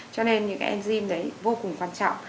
cho nên những cái enzym đấy vô cùng quan trọng